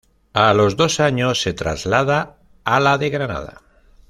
A los dos años se traslada a la de Granada.